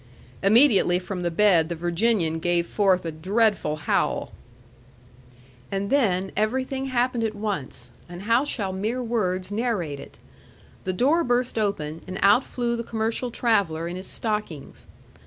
Immediately from the bed the Virginian gave forth a dreadful howl. And then everything happened at once; and how shall mere words narrate it? The door burst open, and out flew the commercial traveller in his stockings.